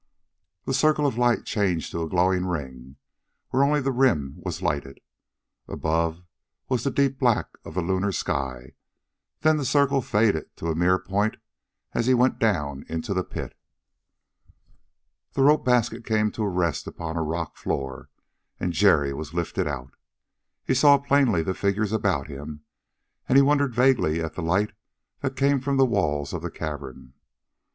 The circle of light changed to a glowing ring, where only the rim was lighted. Above was the deep black of the lunar sky. Then the circle faded to a mere point as he went down into the pit. The rope basket came to rest upon a rock floor, and Jerry was lifted out. He saw plainly the figures about him, and he wondered vaguely at the light that came from the walls of the cavern.